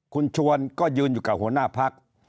คุณชวนก็ยืนอยู่กับหัวหน้าพัก